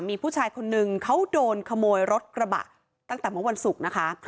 มีผู้ชายคนนึงเขาโดนขโมยรถกระบะตั้งแต่เมื่อวันศุกร์นะคะ